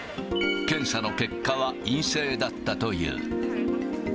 検査の結果は陰性だったという。